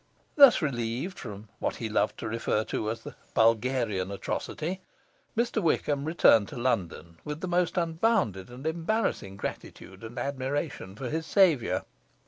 Thus relieved from what he loved to refer to as the Bulgarian Atrocity, Mr Wickham returned to London with the most unbounded and embarrassing gratitude and admiration for his saviour.